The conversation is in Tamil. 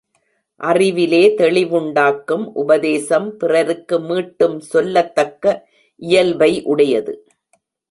அறிவிலே தெளிவுண்டாக்கும் உபதேசம் பிறருக்கு மீட்டும் சொல்லத்தக்க இயல்பை உடையது.